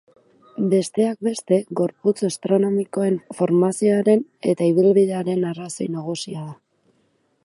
Besteak beste, gorputz astronomikoen formazioaren eta ibilbidearen arrazoi nagusia da.